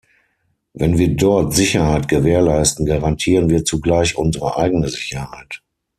Wenn wir dort Sicherheit gewährleisten, garantieren wir zugleich unsere eigene Sicherheit.